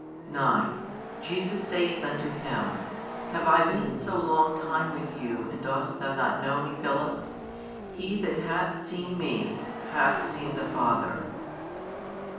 |254 9 Jesus saith unto him, Have I been so long time with you, and dost thou not know Me, Philip? He that hath seen Me hath seen the Father.